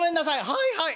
「はいはい。